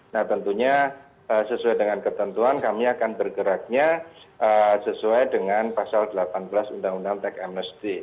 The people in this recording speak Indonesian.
nah tentunya sesuai dengan ketentuan kami akan bergeraknya sesuai dengan pasal delapan belas undang undang tech amnesty